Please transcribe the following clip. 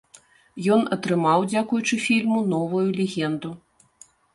Ён атрымаў, дзякуючы фільму, новую легенду.